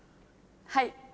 はい。